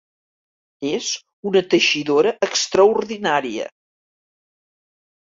És una teixidora extraordinària.